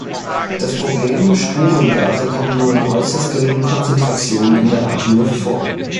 Das Problem: Spurengase kommen nur in äußerst geringen Konzentrationen in der Atemluft vor.